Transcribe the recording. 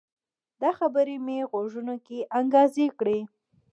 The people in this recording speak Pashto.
دا خبرې مې غوږو کې انګازې کړي